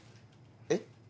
えっ？